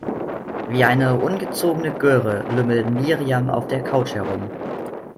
Wie eine ungezogene Göre lümmelt Miriam auf der Couch herum.